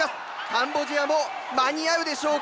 カンボジアも間に合うでしょうか。